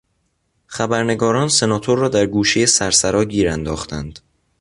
خبرنگاران سناتور را در گوشهی سرسرا گیر انداختند.